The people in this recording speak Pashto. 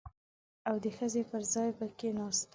او د ښځې پر ځای به کښېناستل.